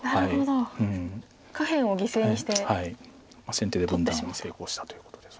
先手で分断に成功したということです。